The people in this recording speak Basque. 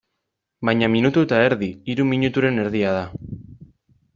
Baina minutu eta erdi, hiru minuturen erdia da.